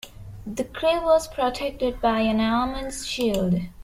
The crew was protected by an armoured shield.